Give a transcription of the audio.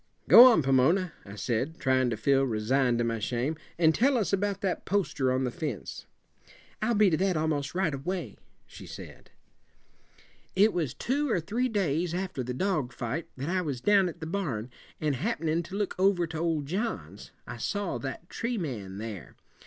"Go on, Pomona," I said, trying to feel resigned to my shame, "and tell us about that poster on the fence." "I'll be to that almost right away," she said. "It was two or three days after the dog fight that I was down at the barn, and happenin' to look over to old John's, I saw that tree man there.